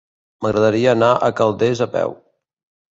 M'agradaria anar a Calders a peu.